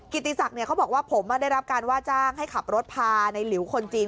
ติศักดิ์เขาบอกว่าผมได้รับการว่าจ้างให้ขับรถพาในหลิวคนจีน